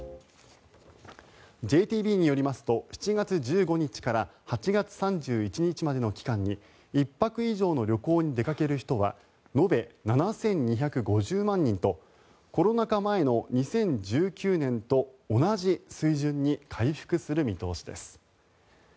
ＪＴＢによりますと７月１５日から８月３１日までの期間に１泊以上の旅行に出かける人は延べ７２５０万人とコロナ禍前の２０１９年と同じ水準に回復する見通しです。